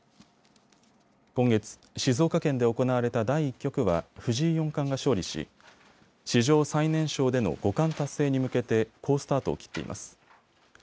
今月、静岡県で行われた第１局は藤井四冠が勝利し史上最年少での五冠達成に向けて好スタートを切っています。